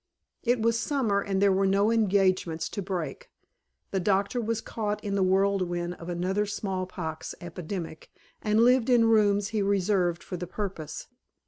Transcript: It was summer and there were no engagements to break. The doctor was caught in the whirlwind of another small pox epidemic and lived in rooms he reserved for the purpose.